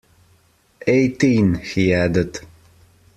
Eighteen, he added.